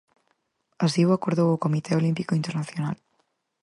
Así o acordou o Comité Olímpico Internacional.